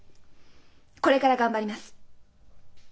これから頑張ります。